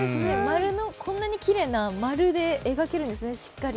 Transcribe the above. こんなにきれいな丸で描けるんですね。